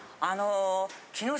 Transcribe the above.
あの。